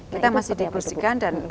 kita masih diskusikan